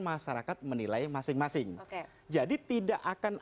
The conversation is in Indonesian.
ada apa yang diperlukan